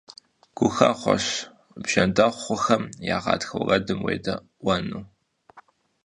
Гухэхъуэщ бжэндэхъухэм я гъатхэ уэрэдым уедэӀуэну!